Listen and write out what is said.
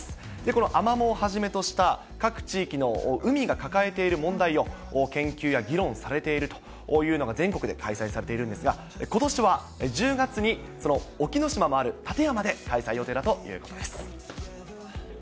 このアマモをはじめとした、各地域の海が抱えている問題を研究や議論されているというのが、全国で開催されているんですが、ことしは１０月に、その沖ノ島のある館山で開催予定だということです。